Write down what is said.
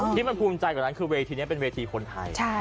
ที่มันภูมิใจกว่านั้นคือเวทีนี้เป็นเวทีคนไทย